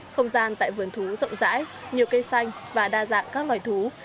không gian tại vườn thú rộng rãi nhiều cây xanh và đa dạng các loài thú